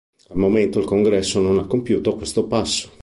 Al momento il Congresso non ha compiuto questo passo.